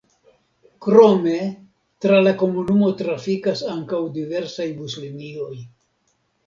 Krome tra la komunumo trafikas ankaŭ diversaj buslinioj.